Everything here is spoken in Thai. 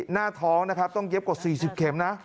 หน้าท้องนะครับต้องเย็บกว่า๔๐เข็มนะ